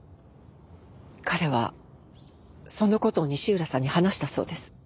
彼はその事を西浦さんに話したそうです。